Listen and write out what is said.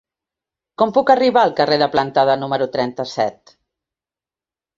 Com puc arribar al carrer de Plantada número trenta-set?